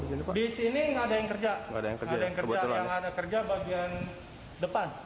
yang ada kerja bagian depan